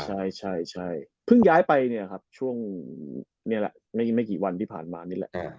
ใช่เพิ่งย้ายไปเนี่ยครับช่วงนี่แหละไม่กี่วันที่ผ่านมานี่แหละ